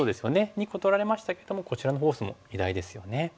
２個取られましたけどもこちらのフォースも偉大ですよね。